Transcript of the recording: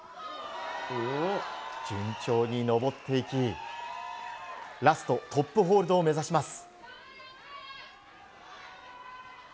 順調に登っていきラスト、トップホールドを目指します。